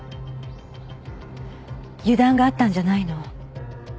油断があったんじゃないの？